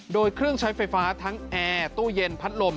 โดยเครื่องใช้ไฟฟ้าทั้งแอร์ตู้เย็นพัดลม